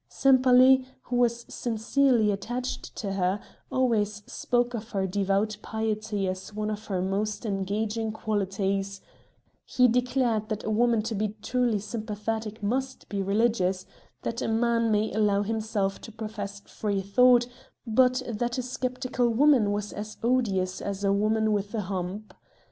Sempaly, who was sincerely attached to her, always spoke of her devout piety as one of her most engaging qualities; he declared that a woman to be truly sympathetic must be religious; that a man may allow himself to profess free thought, but that a sceptical woman was as odious as a woman with a hump.